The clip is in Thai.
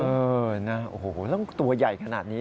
เออนะโอ้โหแล้วตัวใหญ่ขนาดนี้